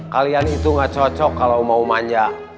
kalian itu gak cocok kalau mau manja